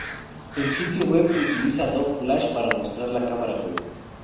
El sitio web utiliza Adobe Flash para mostrar la cámara web.